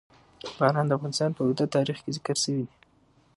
باران د افغانستان په اوږده تاریخ کې ذکر شوي دي.